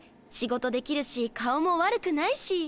仕事できるし顔も悪くないし。